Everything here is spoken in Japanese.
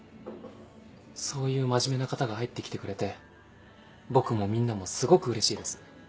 そういう真面目な方が入ってきてくれて僕もみんなもすごくうれしいです。